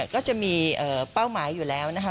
ก็จะมีเป้าหมายอยู่แล้วนะคะ